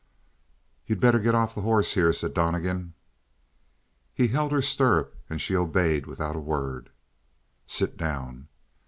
"You'd better get off the horse, here," said Donnegan. He held her stirrup, and she obeyed without a word. "Sit down."